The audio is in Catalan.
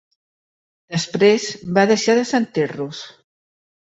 Després, va deixar de sentir-los.